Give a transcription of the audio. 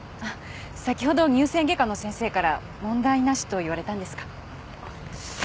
先ほど乳腺外科の先生から問題なしと言われたんですが。